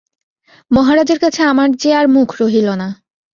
মহারাজের কাছে আমার যে আর মুখ রহিল না।